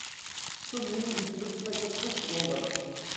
To me it looks like a push-over.